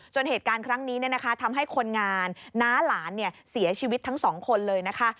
ส่วนเหตุการณ์ครั้งนี้ทำให้คนงานน้าหลานเสียชีวิตทั้งสองคนเลยนะคะ